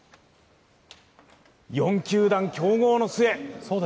４球団競合の末。